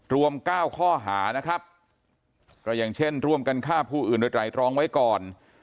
รวม๙ข้อหานะครับก็อย่างเช่นร่วมกันฆ่าผู้อื่นโดยไตรรองไว้ก่อน